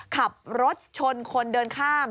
ขับรถชนคนเดินข้าม